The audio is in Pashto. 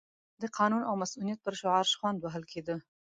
د قانون او مصونیت پر شعار شخوند وهل کېده.